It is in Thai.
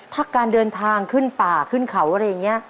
ถ้าการเดินทางขึ้นป่าขึ้นเขาอะไรอย่างนี้